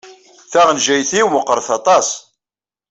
Taɣenjayt-inu meɣɣret aṭas.